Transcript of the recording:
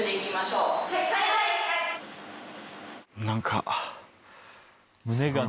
何か。